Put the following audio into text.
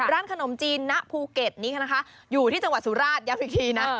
ร้านขนมจีนณภูเก็ตนี้นะคะอยู่ที่จังหวัดสุราชย้ำอีกทีนะ